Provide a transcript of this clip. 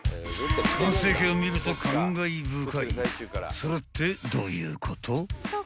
［それってどういうこと？］